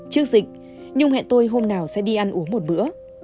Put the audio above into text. trước dịch nhung hẹn tôi hôm nào sẽ đi ăn uống một bữa